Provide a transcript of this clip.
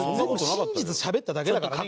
真実しゃべっただけだからね